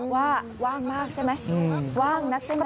ว่าว่างมากใช่ไหมว่างนักใช่ไหม